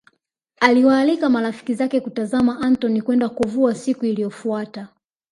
Aliwaalika marafiki zake kutazama Antony kwenda kuvua siku iliyofuata